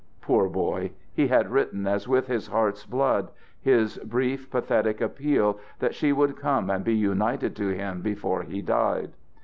Poor boy! he had written, as with his heart's blood, his brief, pathetic appeal that she would come and be united to him before he died.